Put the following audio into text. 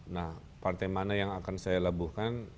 nah partai mana yang akan saya labuhkan